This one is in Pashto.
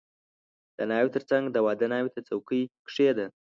• د ناوې تر څنګ د واده ناوې ته څوکۍ کښېږده.